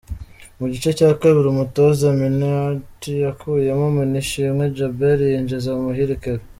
Mu gice cya kabiri umutoza Minnaert yakuyemo Manishimwe Djabel yinjiza Muhire Kevin.